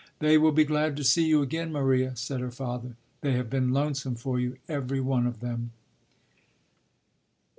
"They will be glad to see you again, Maria," said her father. "They have been lonesome for you, every one of them."